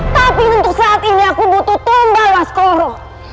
tapi untuk saat ini aku butuh tomba waskoro